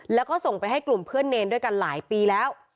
แล้วก็ส่งไปให้กลุ่มเพื่อนเนรด้วยกันหลายปีแล้ว